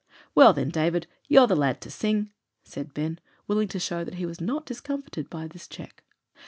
"Well, then, David, ye're the lad to sing," said Ben, willing to show that he was not discomfited by this check.